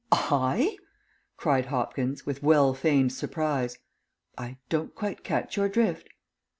"I?" cried Hopkins, with well feigned surprise. "I don't quite catch your drift."